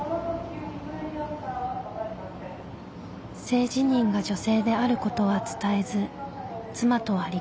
性自認が女性であることは伝えず妻とは離婚。